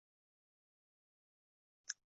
Nigohlar o’lmaydi, nigohlar hayot